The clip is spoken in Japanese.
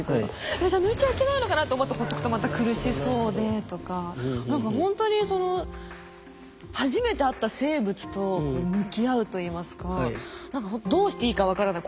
えっじゃ抜いちゃいけないのかなと思ってほっとくとまた苦しそうでとか何かほんとにその初めて会った生物と向き合うといいますか何かどうしていいか分からない